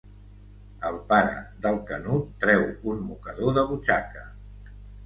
El pare del Canut treu un mocador de butxaca.